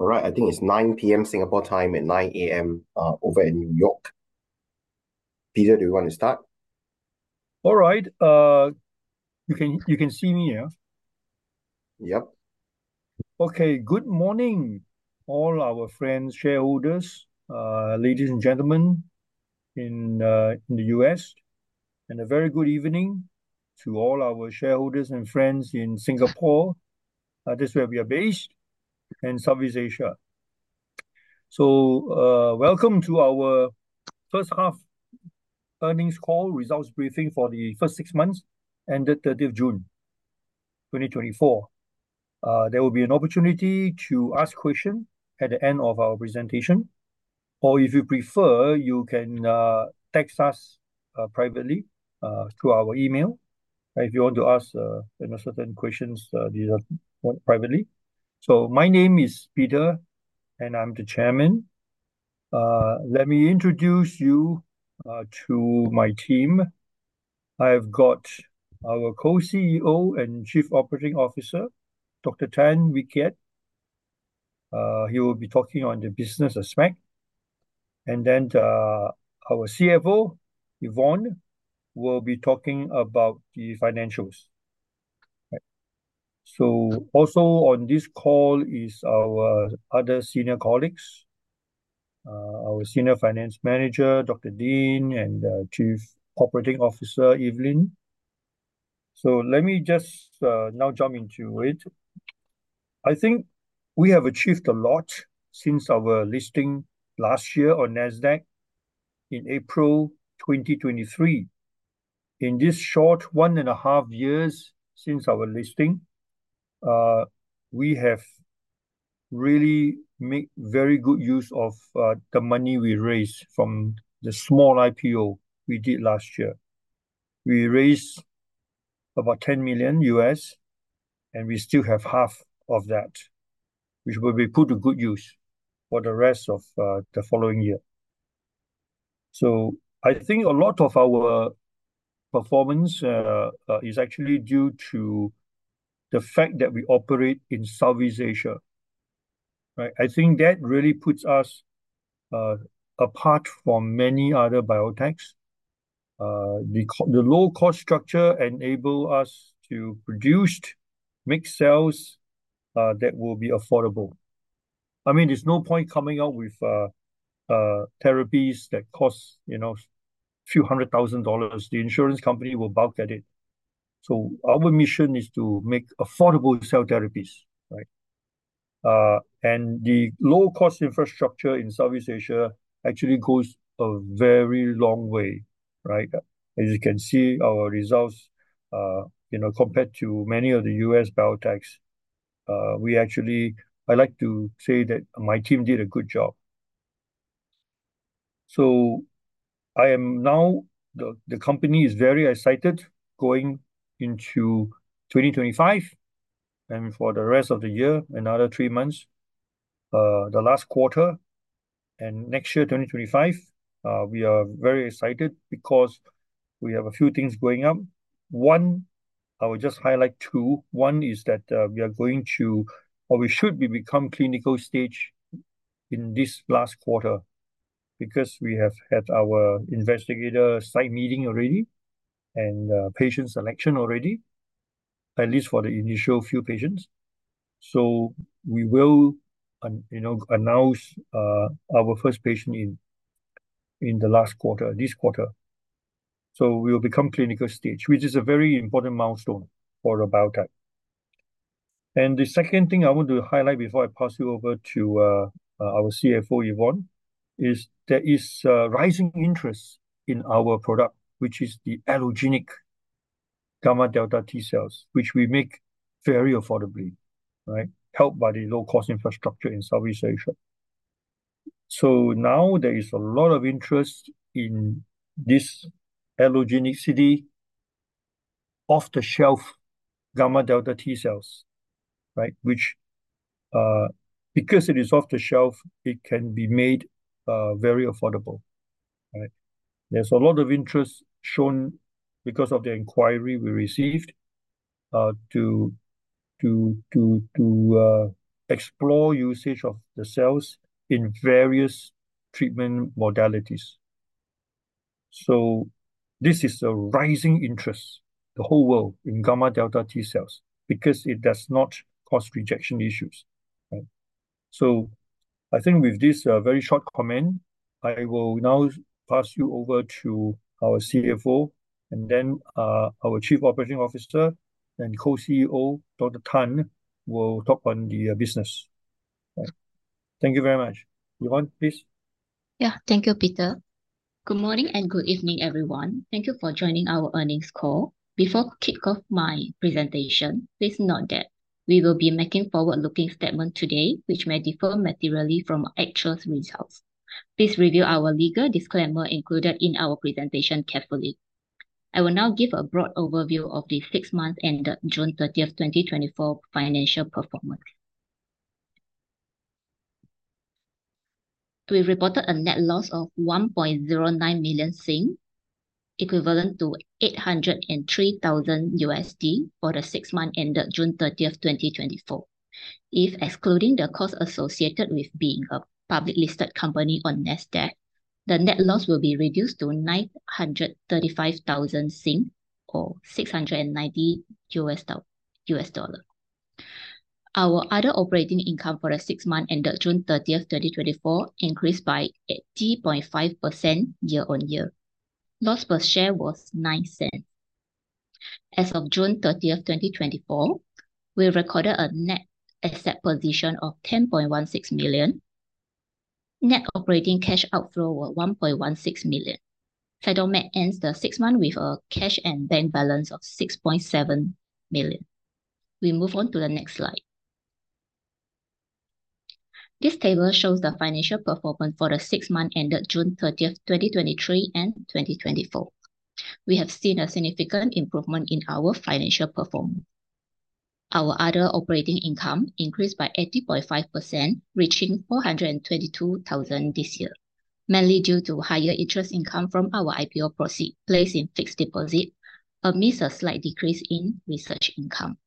All right, I think it's 9:00 P.M. Singapore time and 9:00 A.M. over in New York. Peter, do you want to start? All right, you can, you can see me, yeah? Yep. Okay. Good morning, all our friends, shareholders, ladies and gentlemen in the US, and a very good evening to all our shareholders and friends in Singapore, this is where we are based, and Southeast Asia. So, welcome to our first half earnings call results briefing for the first six months, ended thirty of June, 2024. There will be an opportunity to ask question at the end of our presentation, or if you prefer, you can text us privately through our email if you want to ask, you know, certain questions, these are privately. So my name is Peter, and I'm the chairman. Let me introduce you to my team. I've got our Co-CEO and Chief Operating Officer, Dr. Tan Wee Kiat. He will be talking on the business of CytoMed. And then, our CFO, Yvonne, will be talking about the financials. Right. So also on this call is our other senior colleagues, our Senior Finance Manager, Dr. Dean, and Chief Operating Officer, Evelyn. So let me just now jump into it. I think we have achieved a lot since our listing last year on NASDAQ in April 2023. In this short one and a half years since our listing, we have really make very good use of the money we raised from the small IPO we did last year. We raised about $10 million, and we still have $5 million of that, which will be put to good use for the rest of the following year. So I think a lot of our performance is actually due to the fact that we operate in Southeast Asia, right? I think that really puts us apart from many other biotechs. The low-cost structure enable us to produce mixed cells that will be affordable. I mean, there's no point coming out with therapies that cost, you know, a few hundred thousand dollars. The insurance company will balk at it. So our mission is to make affordable cell therapies, right? And the low-cost infrastructure in Southeast Asia actually goes a very long way, right? As you can see, our results, you know, compared to many of the US biotechs, we actually. I like to say that my team did a good job. So I am now. The company is very excited going into 2025 and for the rest of the year, another three months, the last quarter, and next year, 2025. We are very excited because we have a few things going on. One, I will just highlight two. One is that, we are going to, or we should be, become clinical stage in this last quarter because we have had our investigator site meeting already and, patient selection already, at least for the initial few patients. So we will you know, announce our first patient in the last quarter, this quarter. So we will become clinical stage, which is a very important milestone for a biotech. And the second thing I want to highlight before I pass you over to our CFO, Yvonne, is there is a rising interest in our product, which is the allogeneic gamma delta T-cells, which we make very affordably, right? Helped by the low-cost infrastructure in Southeast Asia. So now there is a lot of interest in this allogeneic, off-the-shelf gamma delta T-cells, right? Which, because it is off-the-shelf, it can be made very affordable, right? There's a lot of interest shown because of the inquiry we received to explore usage of the cells in various treatment modalities. So this is a rising interest, the whole world, in gamma delta T-cells, because it does not cause rejection issues, right? So I think with this very short comment, I will now pass you over to our CFO, and then our Chief Operating Officer and co-CEO, Dr. Tan, will talk on the business. Thank you very much. Yvonne, please. Yeah. Thank you, Peter. Good morning and good evening, everyone. Thank you for joining our earnings call. Before I kick off my presentation, please note that we will be making forward-looking statement today, which may differ materially from actual results. Please review our legal disclaimer included in our presentation carefully. I will now give a broad overview of the six months ended June thirtieth, 2024, financial performance. We reported a net loss of 1.09 million, equivalent to $803,000 for the six months ended June thirtieth, 2024. If excluding the cost associated with being a publicly listed company on NASDAQ, the net loss will be reduced to 935,000, or $690 US dollar. Our other operating income for the six months ended June thirtieth, 2024, increased by 80.5% year on year. Loss per share was $0.09. As of June thirtieth, 2024, we recorded a net asset position of $10.16 million. Net operating cash outflow was $1.16 million. CytoMed ends the six months with a cash and bank balance of $6.7 million. We move on to the next slide. This table shows the financial performance for the six months ended June thirtieth, 2023 and 2024. We have seen a significant improvement in our financial performance. Our other operating income increased by 80.5%, reaching $422,000 this year, mainly due to higher interest income from our IPO proceeds placed in fixed deposit, amidst a slight decrease in research income.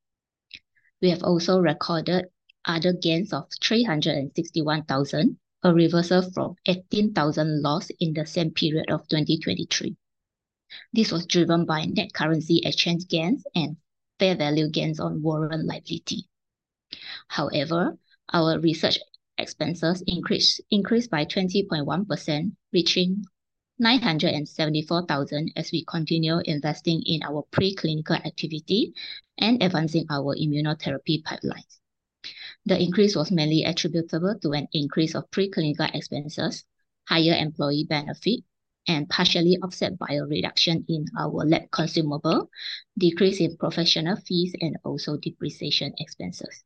We have also recorded other gains of $361,000, a reversal from $18,000 loss in the same period of 2023. This was driven by net currency exchange gains and fair value gains on warrant liability. However, our research expenses increased by 20.1%, reaching $974,000 as we continue investing in our preclinical activity and advancing our immunotherapy pipelines. The increase was mainly attributable to an increase of preclinical expenses, higher employee benefit, and partially offset by a reduction in our lab consumable, decrease in professional fees, and also depreciation expenses.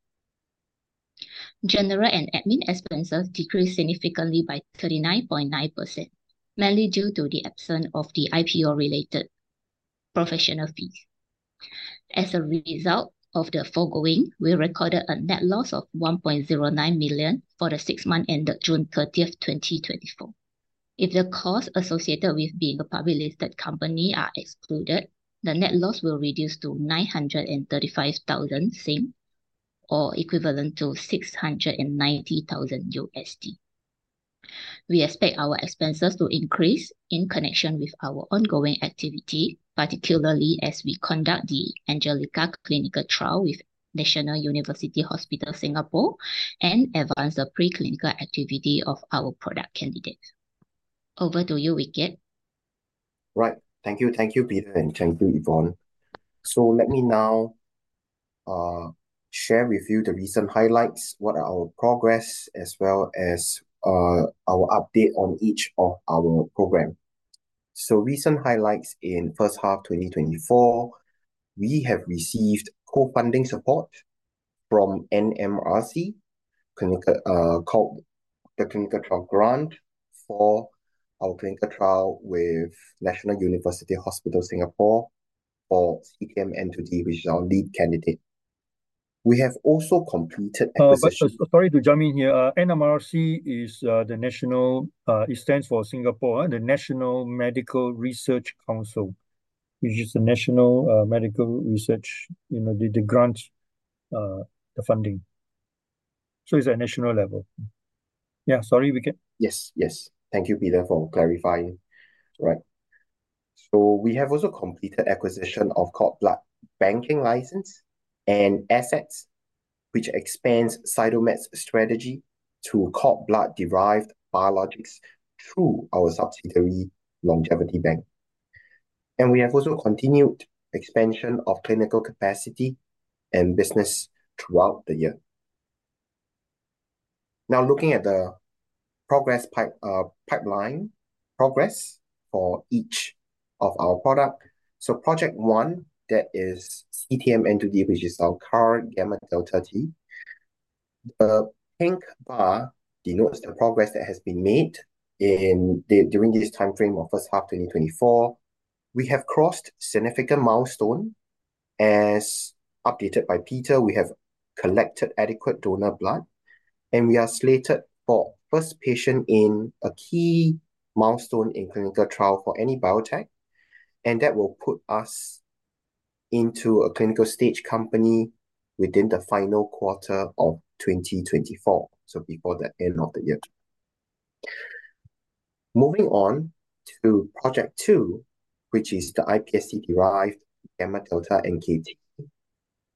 General and admin expenses decreased significantly by 39.9%, mainly due to the absence of the IPO-related professional fees. As a result of the foregoing, we recorded a net loss of $1.09 million for the six months ended June 30, 2024. If the costs associated with being a public listed company are excluded, the net loss will reduce to 935,000, or equivalent to $690,000. We expect our expenses to increase in connection with our ongoing activity, particularly as we conduct the ANGELICA clinical trial with National University Hospital, Singapore, and advance the preclinical activity of our product candidates. Over to you, Wee Kiat. Right. Thank you, thank you, Peter, and thank you, Yvonne. So let me now share with you the recent highlights, what are our progress, as well as our update on each of our program. So recent highlights in first half twenty twenty-four, we have received co-funding support from NMRC, clinical, called the Clinical Trial Grant for our clinical trial with National University Hospital, Singapore, for CTM-N2D, which is our lead candidate. We have also completed acquisition- Sorry to jump in here. NMRC is the national. It stands for Singapore, the National Medical Research Council, which is the national medical research, you know. They grant the funding, so it's at national level. Yeah. Sorry, We Kit. Yes, yes. Thank you, Peter, for clarifying. Right. So we have also completed acquisition of cord blood banking license and assets, which expands CytoMed's strategy to cord blood-derived biologics through our subsidiary, Longevity Bank. And we have also continued expansion of clinical capacity and business throughout the year. Now, looking at the pipeline progress for each of our product. So Project One, that is CTM-N2D, which is our current gamma delta T. The pink bar denotes the progress that has been made during this timeframe of first half 2024. We have crossed significant milestone. As updated by Peter, we have collected adequate donor blood, and we are slated for first patient in a key milestone in clinical trial for any biotech, and that will put us into a clinical stage company within the final quarter of twenty twenty-four, so before the end of the year. Moving on to Project Two, which is the iPSC-derived gamma delta NKT.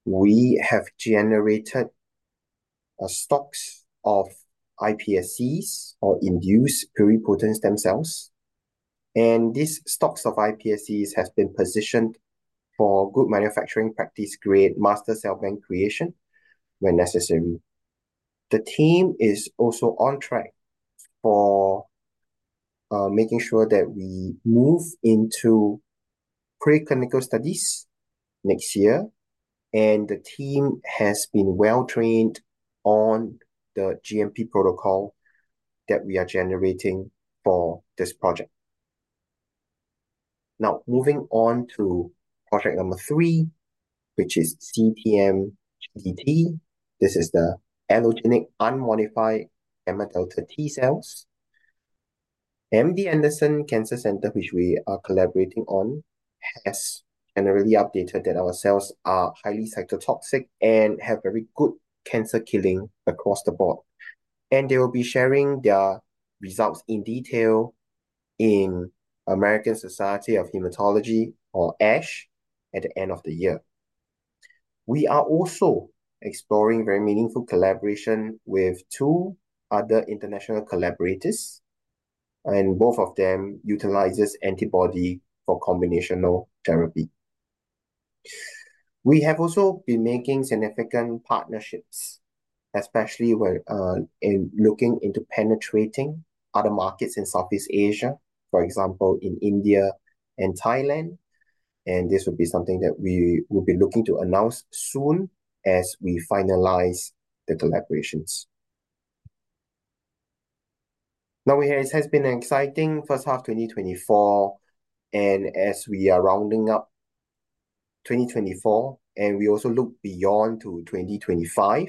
We have generated, stocks of iPSCs or induced pluripotent stem cells, and these stocks of iPSCs has been positioned for good manufacturing practice, GMP master cell bank creation when necessary. The team is also on track for, making sure that we move into preclinical studies next year, and the team has been well-trained on the GMP protocol that we are generating for this project. Now, moving on to project number three, which is CTM-GDT. This is the allogeneic unmodified gamma delta T-cells. MD Anderson Cancer Center, which we are collaborating on, has generally updated that our cells are highly cytotoxic and have very good cancer killing across the board, and they will be sharing their results in detail in American Society of Hematology, or ASH, at the end of the year. We are also exploring very meaningful collaboration with two other international collaborators, and both of them utilizes antibody for combinational therapy. We have also been making significant partnerships, especially where, in looking into penetrating other markets in Southeast Asia, for example, in India and Thailand, and this would be something that we will be looking to announce soon as we finalize the collaborations. Now, it has been an exciting first half, 2024, and as we are rounding up 2024, and we also look beyond to 2025,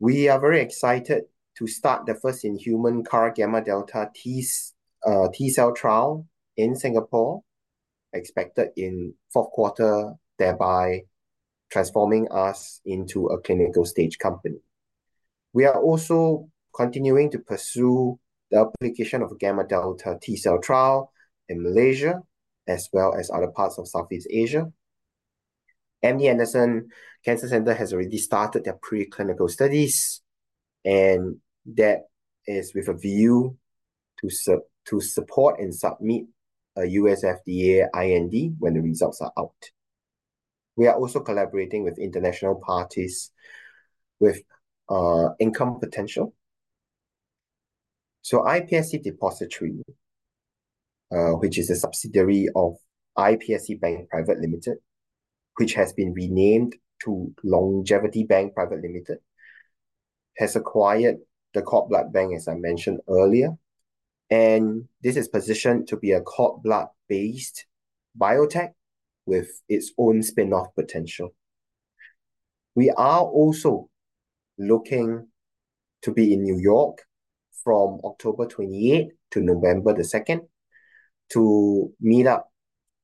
we are very excited to start the first in-human CAR gamma delta T-cell trial in Singapore, expected in fourth quarter, thereby transforming us into a clinical stage company. We are also continuing to pursue the application of gamma delta T-cell trial in Malaysia, as well as other parts of Southeast Asia. MD Anderson Cancer Center has already started their preclinical studies, and that is with a view to submit to support and submit a U.S. FDA IND when the results are out. We are also collaborating with international parties with income potential. So iPSC Depository, which is a subsidiary of iPSC Bank Private Limited, which has been renamed to Longevity Bank Private Limited, has acquired the cord blood bank, as I mentioned earlier, and this is positioned to be a cord blood-based biotech with its own spinoff potential. We are also looking to be in New York from October twenty-eight to November the second, to meet up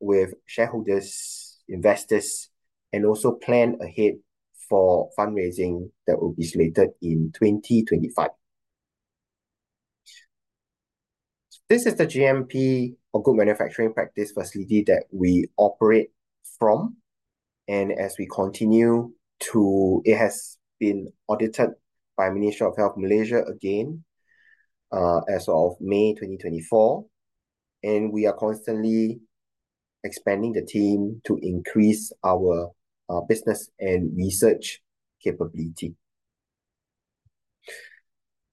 with shareholders, investors, and also plan ahead for fundraising that will be slated in 2025. This is the GMP, or Good Manufacturing Practice, facility that we operate from, and as we continue to. It has been audited by Ministry of Health, Malaysia, again, as of May 2024, and we are constantly expanding the team to increase our business and research capability.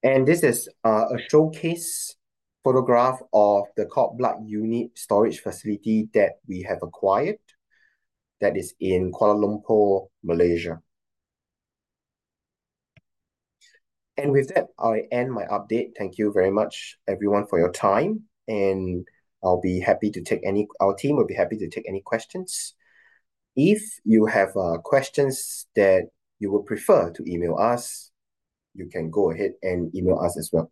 This is a showcase photograph of the cord blood unit storage facility that we have acquired that is in Kuala Lumpur, Malaysia. With that, I end my update. Thank you very much, everyone, for your time, and our team will be happy to take any questions. If you have questions that you would prefer to email us, you can go ahead and email us as well.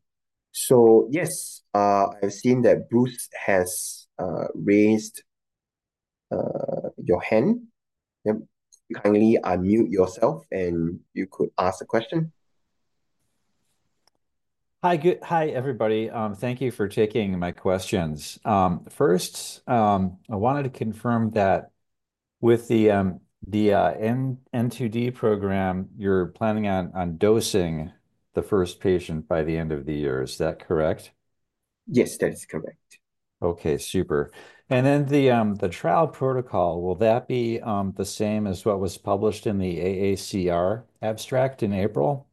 Yes, I've seen that Bruce has raised your hand. Yep, kindly unmute yourself, and you could ask the question. Hi, everybody. Thank you for taking my questions. First, I wanted to confirm that with the N2D program, you're planning on dosing the first patient by the end of the year. Is that correct? Yes, that is correct. Okay, super. And then the trial protocol, will that be the same as what was published in the AACR abstract in April?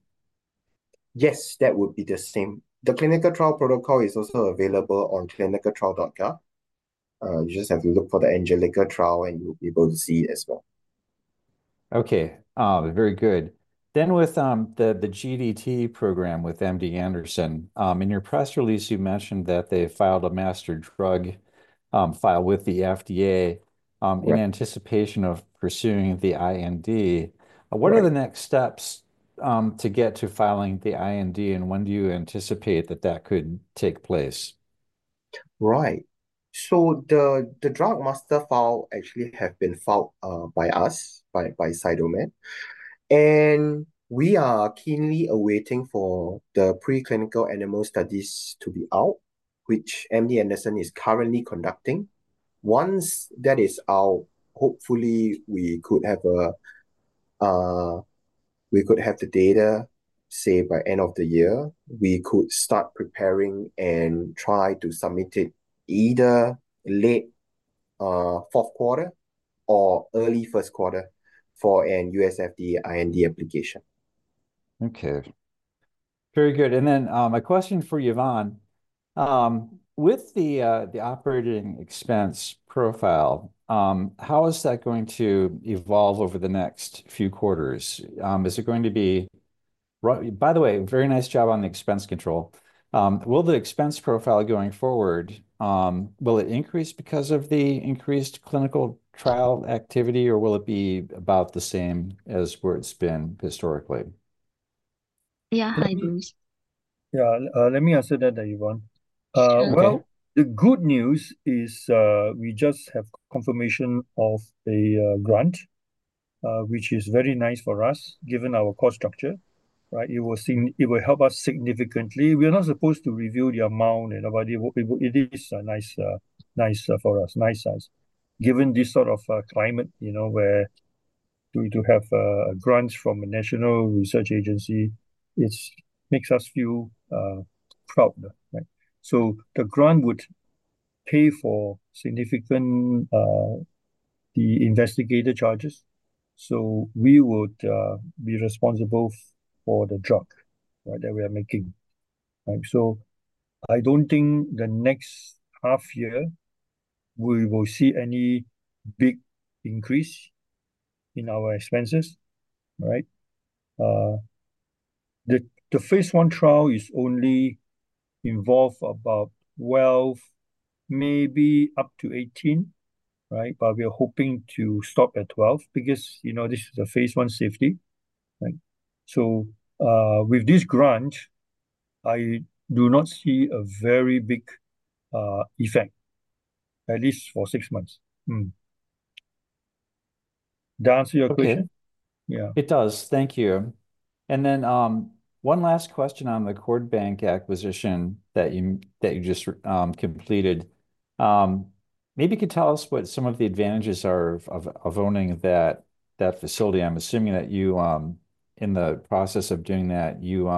Yes, that would be the same. The clinical trial protocol is also available on ClinicalTrials.gov. You just have to look for the ANGELICA trial, and you'll be able to see it as well. Okay, very good. Then, with the GDT program with MD Anderson, in your press release, you mentioned that they filed a Drug Master File with the FDA, Yeah... in anticipation of pursuing the IND. Right. What are the next steps, to get to filing the IND, and when do you anticipate that that could take place? Right. So the drug master file actually have been filed by us by CytoMed, and we are keenly awaiting for the preclinical animal studies to be out, which MD Anderson is currently conducting. Once that is out, hopefully, we could have the data, say, by end of the year. We could start preparing and try to submit it either late fourth quarter or early first quarter for an U.S. FDA IND application. Okay. Very good, and then a question for Yvonne. With the operating expense profile, how is that going to evolve over the next few quarters? Is it going to be... By the way, very nice job on the expense control. Will the expense profile going forward increase because of the increased clinical trial activity, or will it be about the same as where it's been historically? Yeah, hi, Bruce. Yeah, let me answer that, Yvonne. Sure. Well, the good news is, we just have confirmation of a grant, which is very nice for us, given our cost structure, right? It will sign- it will help us significantly. We're not supposed to reveal the amount and nobody... It is a nice for us, nice size. Given this sort of climate, you know, where to have grants from a national research agency, it's makes us feel proud, right? So the grant would pay for significant the investigator charges. So we would be responsible for the drug, right, that we are making, right? So I don't think the next half year we will see any big increase in our expenses, right? The phase one trial is only involve about 12, maybe up to 18, right? But we are hoping to stop at 12 because, you know, this is a phase 1 safety, right? So, with this grant, I do not see a very big effect, at least for six months. That answer your question? Okay. Yeah. It does. Thank you. And then, one last question on the cord bank acquisition that you just completed. Maybe you could tell us what some of the advantages are of owning that facility. I'm assuming that you, in the process of doing that, you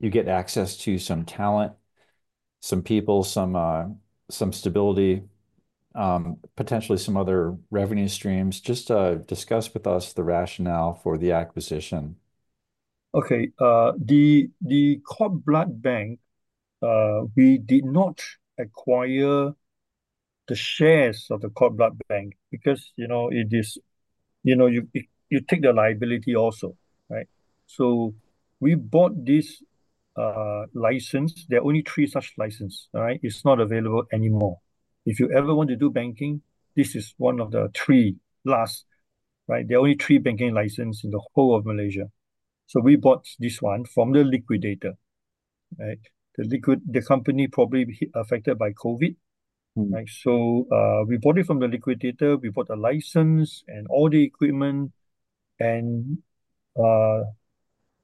get access to some talent, some people, some stability, potentially some other revenue streams. Just, discuss with us the rationale for the acquisition. Okay. The cord blood bank, we did not acquire the shares of the cord blood bank because, you know, it is... You know, you take the liability also, right? So we bought this license. There are only three such license, all right? It's not available anymore. If you ever want to do banking, this is one of the three last, right? There are only three banking license in the whole of Malaysia. So we bought this one from the liquidator, right? The company probably affected by COVID. Mm. Right, so, we bought it from the liquidator. We bought the license and all the equipment and,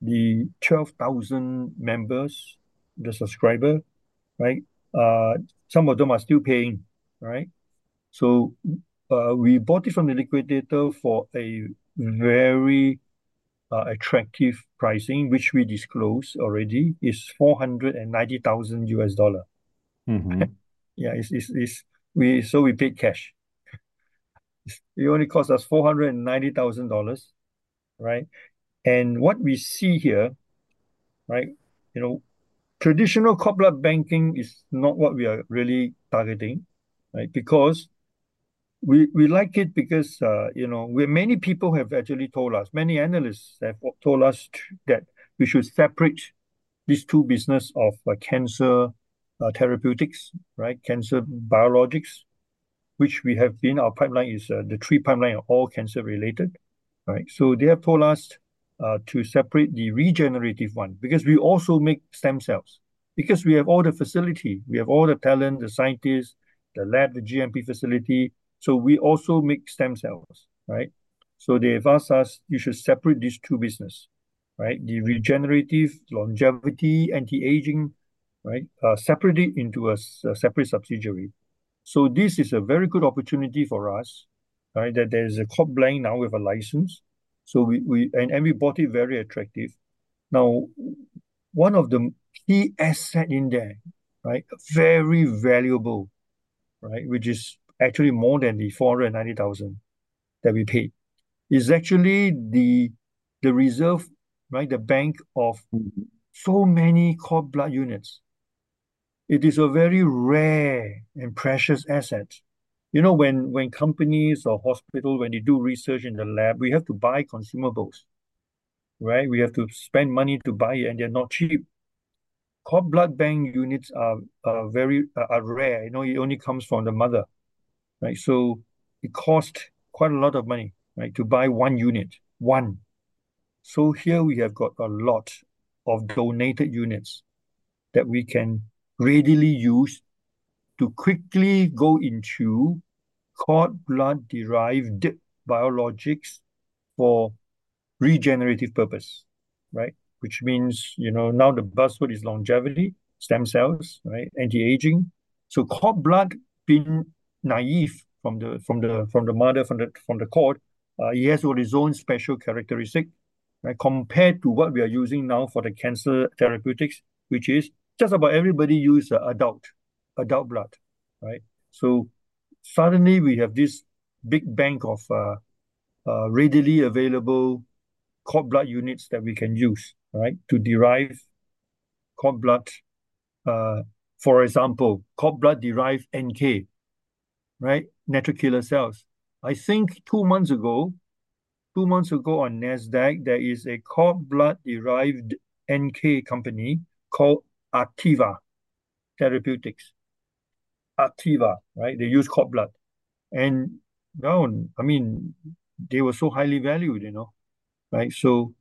the 12,000 members, the subscriber, right? Some of them are still paying, right? So, we bought it from the liquidator for a very, attractive pricing, which we disclosed already, is $490,000. Mm-hmm. Yeah, so we paid cash. It only cost us $490,000, right? And what we see here, right, you know, traditional cord blood banking is not what we are really targeting, right? Because we like it because, you know, many people have actually told us, many analysts have told us that we should separate these two business of cancer therapeutics, right, cancer biologics, which we have been our pipeline is the three pipeline are all cancer related, right? So they have told us to separate the regenerative one, because we also make stem cells, because we have all the facility, we have all the talent, the scientists, the lab, the GMP facility. So we also make stem cells, right? So they have asked us, "You should separate these two business, right? The regenerative longevity, anti-aging, right? separate it into a separate subsidiary. So this is a very good opportunity for us, right? That there is a cord bank now with a license. So we... And we bought it very attractive. Now, one of the key asset in there, right, very valuable, right? Which is actually more than the $490,000 that we paid, is actually the reserve, right? The bank of so many cord blood units. It is a very rare and precious asset. You know, when companies or hospitals do research in the lab, we have to buy consumables, right? We have to spend money to buy it, and they're not cheap. Cord blood bank units are very rare. You know, it only comes from the mother, right? So it cost quite a lot of money, right, to buy one unit. One. So here we have got a lot of donated units that we can readily use to quickly go into cord blood derived biologics for regenerative purpose, right? Which means, you know, now the buzzword is longevity, stem cells, right, anti-aging. So cord blood, being naive from the mother, from the cord, he has got his own special characteristic, right? Compared to what we are using now for the cancer therapeutics, which is just about everybody use, adult blood, right? So suddenly we have this big bank of readily available cord blood units that we can use, right, to derive cord blood. For example, cord blood-derived NK, right? Natural killer cells. I think two months ago on NASDAQ, there is a cord blood-derived NK company called Artiva Therapeutics. Artiva, right? They use cord blood. Wow, I mean, they were so highly valued, you know? Right, so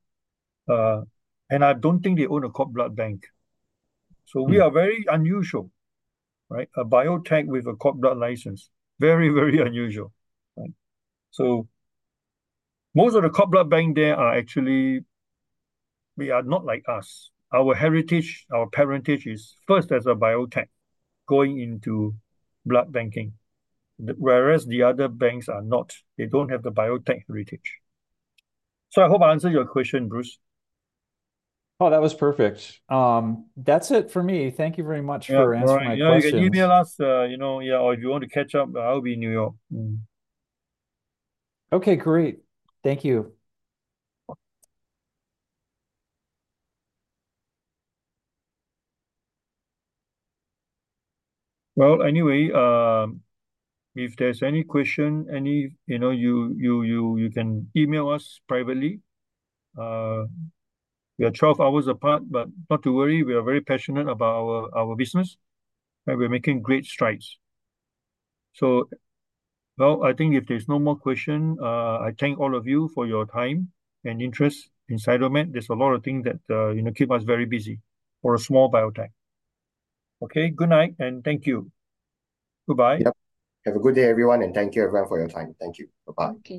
I don't think they own a cord blood bank, so we are very unusual, right? A biotech with a cord blood license. Very, very unusual, right, so most of the cord blood bank, there are actually they are not like us. Our heritage, our parentage is first as a biotech going into blood banking, whereas the other banks are not. They don't have the biotech heritage, so I hope I answered your question, Bruce. Oh, that was perfect. That's it for me. Thank you very much for answering my questions. Yeah. You know, you can email us, you know, or if you want to catch up, I'll be in New York. Okay, great. Thank you. Well, anyway, if there's any question, you know, you can email us privately. We are twelve hours apart, but not to worry, we are very passionate about our business, and we're making great strides. I think if there's no more question, I thank all of you for your time and interest in CytoMed. There's a lot of things that, you know, keep us very busy for a small biotech. Okay, good night, and thank you. Goodbye. Yep. Have a good day, everyone, and thank you everyone for your time. Thank you. Bye-bye.